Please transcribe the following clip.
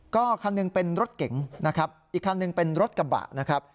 ก็คันหนึ่งเป็นรถเก๋งนะครับอีกคันหนึ่งเป็นรถกระบะนะครับ